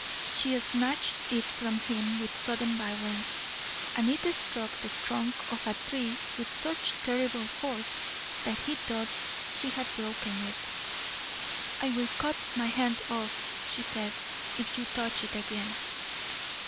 She snatched it from him with sudden violence, and it struck the trunk of a tree with such terrible force that he thought she had broken it. "I will cut my hand off," she said, "if you touch it again."